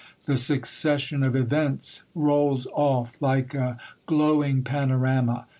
The succession of events rolls off like a glowing panorama.